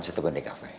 saya temen di kafe